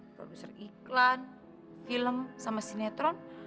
kalau besar iklan film sama sinetron